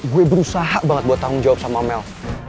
gue berusaha banget buat tanggung jawab sama mels